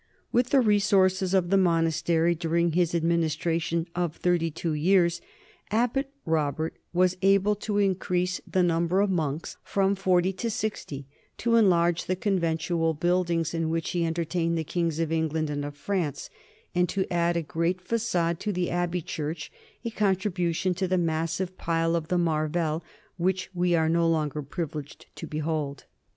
With the resources of the monastery during his administration of thirty two years Abbot Robert was able to increase the NORMAN LIFE AND CULTURE 173 number of monks from forty to sixty, to enlarge the conventual buildings, in which he entertained the kings of England and of France, and to add a great fagade to the abbey church, a contribution to the massive pile of the Marvel which we are no longer privileged to behold.